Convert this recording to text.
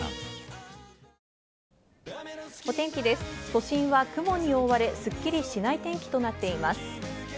都心は雲に覆われスッキリしない天気となっています。